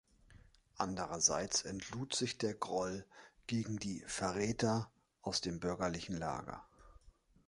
Andererseits entlud sich der Groll gegen die „Verräter“ aus dem bürgerlichen Lager.